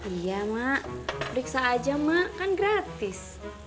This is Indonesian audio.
iya mak periksa aja mak kan gratis